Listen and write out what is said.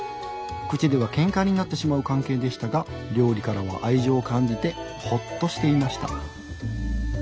口ではけんかになってしまう関係でしたが料理からは愛情を感じてほっとしていました。